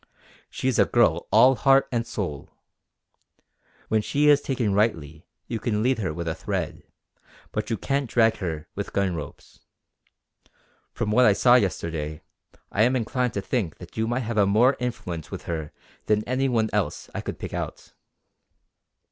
She is a girl all heart and soul. When she is taken rightly you can lead her with a thread; but you can't drag her with gun ropes. From what I saw yesterday, I am inclined to think that you might have more influence with her than any one else I could pick out."